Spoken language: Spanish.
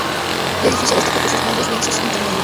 El edificio destaca por sus grandes lienzos intermedios.